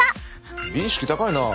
美意識高いなあ。